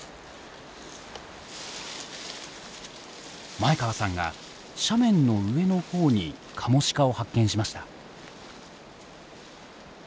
前川さんが斜面の上のほうにカモシカを発見しました。